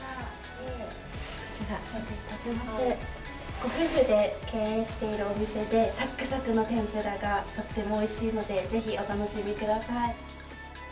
ご夫婦で経営しているお店でさっくさくの天ぷらがとってもおいしいので、ぜひお楽しみください。